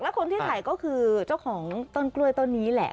คนที่ถ่ายก็คือเจ้าของต้นกล้วยต้นนี้แหละ